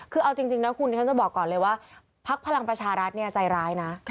คือเอาจริงนะคุณที่ฉันจะบอกก่อนเลยว่าพักพลังประชารัฐใจร้ายนะ